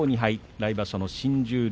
来場所の新十両